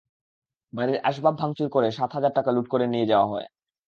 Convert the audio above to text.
বাড়ির আসবাব ভাঙচুর করে সাত হাজার টাকা লুট করে নিয়ে যাওয়া হয়।